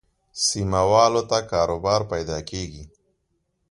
سیمه والو ته کاروبار پیدا کېږي.